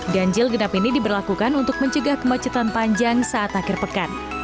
ganjil genap ini diberlakukan untuk mencegah kemacetan panjang saat akhir pekan